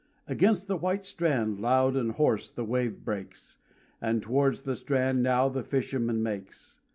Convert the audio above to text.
Against the white strand loud and hoarse the wave breaks, And towards the strand now the fisherman makes.